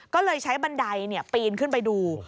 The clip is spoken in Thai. ก็เลยใช้บันไดปีนขึ้นไปดู